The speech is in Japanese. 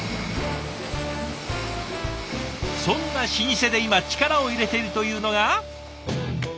そんな老舗で今力を入れているというのが。